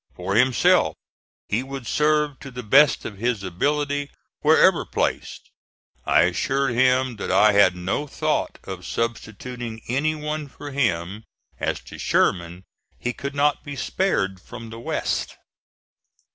For himself, he would serve to the best of his ability wherever placed. I assured him that I had no thought of substituting any one for him. As to Sherman, he could not be spared from the West.